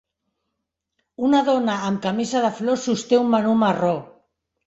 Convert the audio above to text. Una dona amb camisa de flors sosté un menú marró.